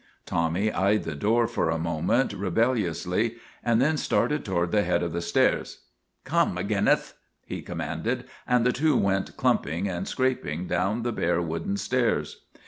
Tommy eyed the door for a moment re belliouslv. and then started toward the head of the stairs. 1 Come, Maginnith," he commanded, and the two went clumping and scraping down the bare wooden stairs.